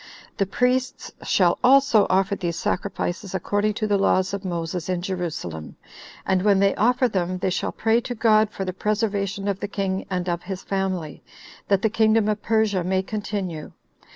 The priests shall also offer these sacrifices according to the laws of Moses in Jerusalem; and when they offer them, they shall pray to God for the preservation of the king and of his family, that the kingdom of Persia may continue.